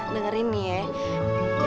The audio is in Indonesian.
dengerin nih ya